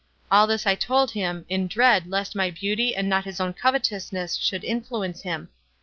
All this I told him, in dread lest my beauty and not his own covetousness should influence him.